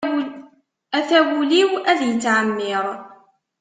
Ata wul-iw ad yettɛemmiṛ.